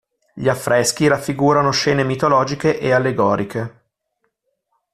Gli affreschi raffigurano scene mitologiche e allegoriche.